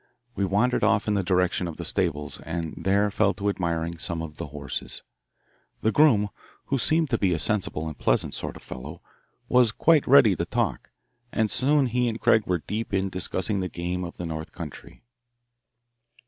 We wandered off in the direction of the stables and there fell to admiring some of the horses. The groom, who seemed to be a sensible and pleasant sort of fellow, was quite ready to talk, and soon he and Craig were deep in discussing the game of the north country.